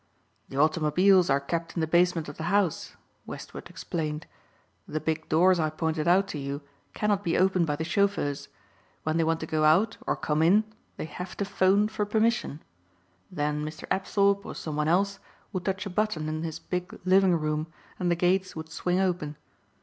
"The automobiles are kept in the basement of the house," Westward explained. "The big doors I pointed out to you cannot be opened by the chauffeurs. When they want to go out or come in they have to phone for permission. Then Mr. Apthorpe or some one else would touch a button in his big living room and the gates would swing open.